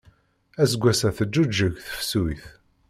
Aseggas-a teǧuǧeg tefsut.